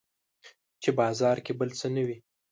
چې بازار کې بل څه نه وي